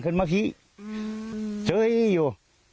ขึ้นมาฝี่เจอี้อยู่